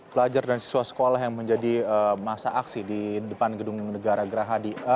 pelajar dan siswa sekolah yang menjadi masa aksi di depan gedung negara gerahadi